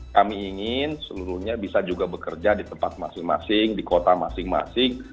kami ingin seluruhnya bisa juga bekerja di tempat masing masing di kota masing masing